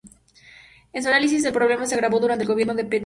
En su análisis, el problema se agravó durante el gobierno de Peter Caruana.